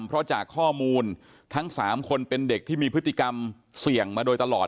เพราะจากข้อมูลทั้ง๓คนเป็นเด็กที่มีพฤติกรรมเสี่ยงมาโดยตลอด